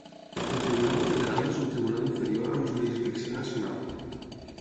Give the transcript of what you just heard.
El Tribunal Federal és un tribunal inferior amb jurisdicció nacional.